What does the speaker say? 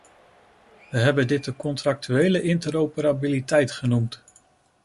We hebben dit de contractuele interoperabiliteit genoemd.